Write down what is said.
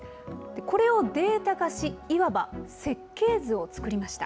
これをデータ化し、いわば設計図を作りました。